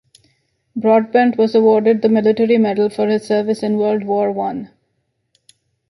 Broadbent was awarded the Military Medal for his service in World War One.